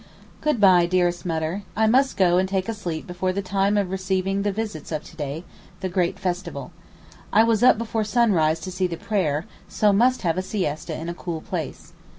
Good bye, dearest Mutter, I must go and take a sleep before the time of receiving the visits of to day (the great festival). I was up before sunrise to see the prayer, so must have a siesta in a cool place.